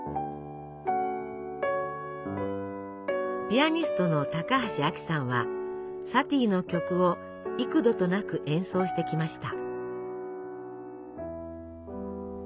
ピアニストの高橋アキさんはサティの曲を幾度となく演奏してきました。